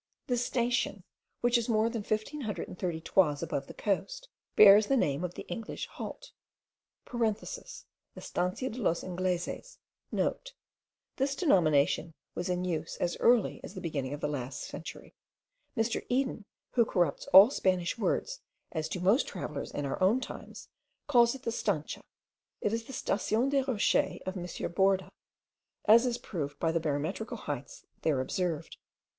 This station, which is more than 1530 toises above the coast, bears the name of the English Halt (Estancia de los Ingleses* (* This denomination was in use as early as the beginning of the last century. Mr. Eden, who corrupts all Spanish words, as do most travellers in our own times, calls it the Stancha: it is the Station des Rochers of M. Borda, as is proved by the barometrical heights there observed.